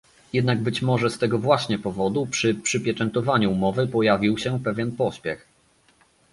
Jednak być może z tego właśnie powodu przy przypieczętowaniu umowy pojawił się pewien pośpiech